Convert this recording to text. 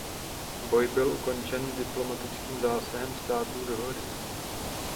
Boj byl ukončen diplomatickým zásahem států Dohody.